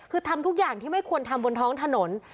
คือทำทุกอย่างที่ไม่ควรทำบนท้องถนน